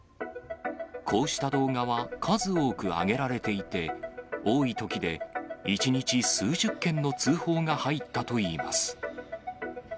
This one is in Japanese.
こうした動画は数多く挙げられていて、多いときで１日数十件の通報が入ったといいます。